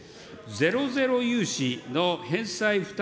ゼロゼロ融資の返済負担